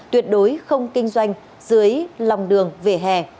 tuyệt đối không kinh doanh dưới lòng đường vỉa hè